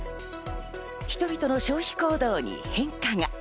人々の消費行動に変化が。